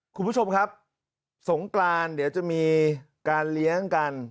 คุณผู้ชมครับสงกรานเดี๋ยวจะมีการเลี้ยงกัน